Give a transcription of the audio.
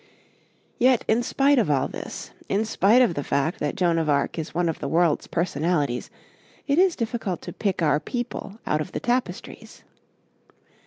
Yet, in spite of all this, in spite of the fact that Joan of Arc is one of the world's personalities, it is difficult to pick our people out of the tapestries.